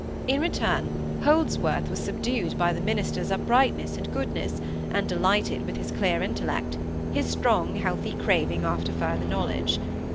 In return Holdsworth was subdued by the minister's uprightness and goodness, and delighted with his clear intellect—his strong healthy craving after further knowledge.